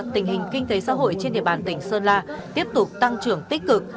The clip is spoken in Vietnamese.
tình hình kinh tế xã hội trên địa bàn tỉnh sơn la tiếp tục tăng trưởng tích cực